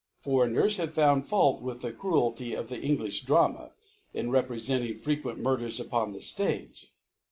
Foreigners have found fault with the Cruelty of the EngUfh Drama, in re ' prefentjng frequent ' Murders upon the Stage.